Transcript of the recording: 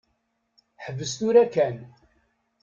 Ḥbes tura kan.